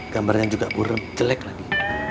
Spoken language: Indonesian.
gambarnya juga kurang jelek lagi